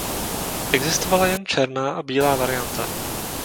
Existovala jen černá a bílá varianta.